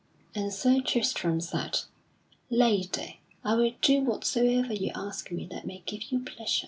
And Sir Tristram said: "Lady, I will do whatsoever you ask me that may give you pleasure."